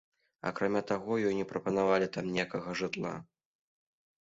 Акрамя таго, ёй не прапанавалі там ніякага жытла.